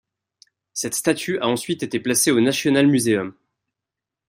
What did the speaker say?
Cette statue a ensuite été placée au Nationalmuseum.